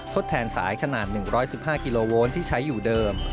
ทดแทนสายขนาด๑๑๕กิโลโวนที่ใช้อยู่เดิม